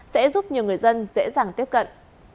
sẽ giúp nhiều người dân dễ dàng tiếp cận